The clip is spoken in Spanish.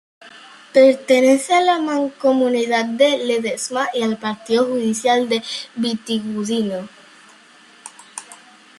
Pertenece a la Mancomunidad de Ledesma y al partido judicial de Vitigudino.